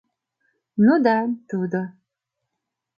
Ну да, тудо...